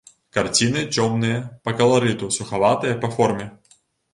Карціны цёмныя па каларыту, сухаватыя па форме.